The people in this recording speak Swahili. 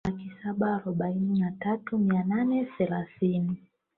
laki saba arobaini na tatu mia nane thelathini